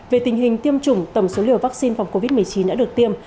về tình hình tiêm chủng tổng số liều vaccine phòng covid một mươi chín đã được tiêm